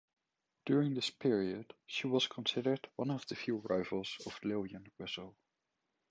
During this period she was considered one of the few rivals of Lillian Russell.